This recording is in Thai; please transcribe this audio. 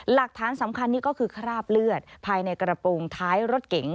หลักฐานสำคัญนี่ก็คือคราบเลือดภายในกระโปรงท้ายรถเก๋ง